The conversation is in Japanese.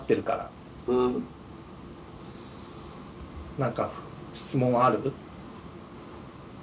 何か質問はある？